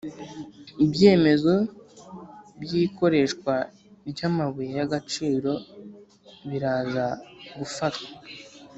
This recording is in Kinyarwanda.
Ibyemezo by’ ikoreshwa ryamabuye yagaciro birazagfatwa.